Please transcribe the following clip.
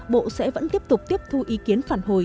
bộ sẽ vẫn tiếp tục tiếp thu ý kiến phản hồi